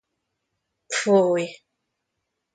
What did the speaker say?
Pfuj!